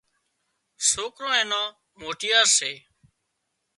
سوڪران اين موٽيار سي